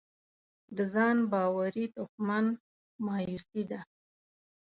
د ځان باورۍ دښمن مایوسي ده.